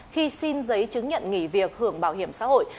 khi xin giấy chứng nhận nghỉ việc hưởng bảo hiểm xã hội